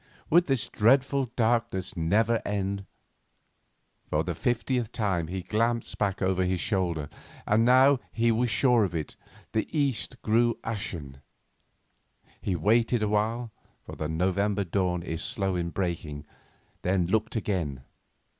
Would this dreadful darkness never end? For the fiftieth time he glanced back over his shoulder, and now, he was sure of it, the east grew ashen. He waited awhile, for the November dawn is slow in breaking, then looked again.